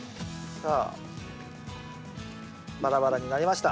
さあバラバラになりました。